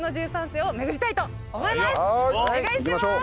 お願いします。